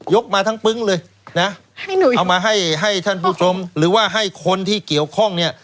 ยกมาทั้งปึ้งเลยนะให้เว้นหนูออกมาให้ให้ภพรมหรือว่าให้คนที่เกี่ยวข้องเนี้ย